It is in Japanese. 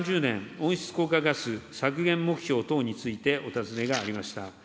温室効果ガス削減目標等についてお尋ねがありました。